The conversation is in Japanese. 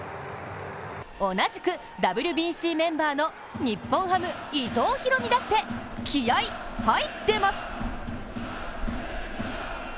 同じくＷＢＣメンバーの日本ハム・伊藤大海だって気合い入ってます！